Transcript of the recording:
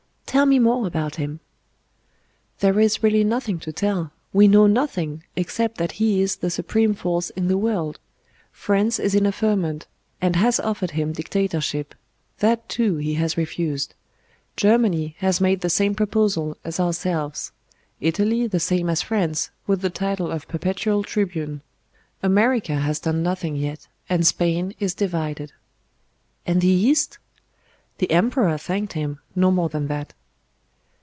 "Tell me more about Him." "There is really nothing to tell; we know nothing, except that He is the supreme force in the world. France is in a ferment, and has offered him Dictatorship. That, too, He has refused. Germany has made the same proposal as ourselves; Italy, the same as France, with the title of Perpetual Tribune. America has done nothing yet, and Spain is divided." "And the East?" "The Emperor thanked Him; no more than that."